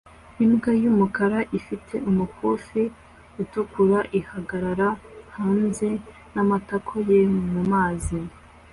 Imbwa y'umukara ifite umukufi utukura ihagarara hanze n'amatako ye mumazi